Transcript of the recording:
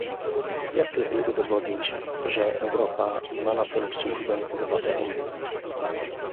Jak lepiej udowodnić, że Europa ma na celu służbę obywatelom?